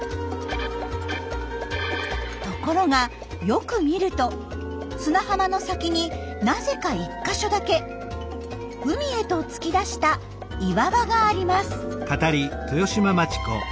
ところがよく見ると砂浜の先になぜか１か所だけ海へと突き出した岩場があります。